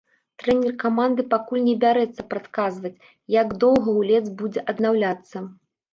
Трэнер каманды пакуль не бярэцца прадказваць, як доўга гулец будзе аднаўляцца.